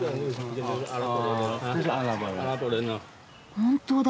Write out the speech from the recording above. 本当だ。